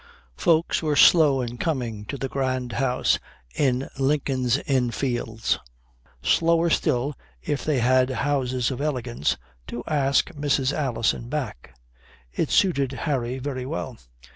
Folks were slow in coming to the grand house in Lincoln's Inn Fields; slower still, if they had houses of elegance, to ask Mrs. Alison back. It suited Harry very well.